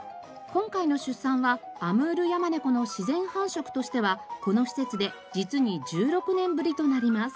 今回の出産はアムールヤマネコの自然繁殖としてはこの施設で実に１６年ぶりとなります。